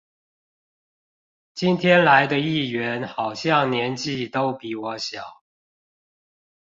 今天來的議員好像年紀都比我小